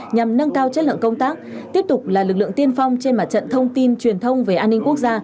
nhằm nâng cao chất lượng công tác tiếp tục là lực lượng tiên phong trên mặt trận thông tin truyền thông về an ninh quốc gia